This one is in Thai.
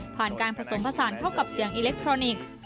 ผ่านการผสมผสานเข้ากับเสียงอิเล็กทรอนิกส์